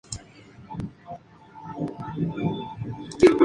Mas, la llevó a un segundo plano porque empezaba a "volverse fanática".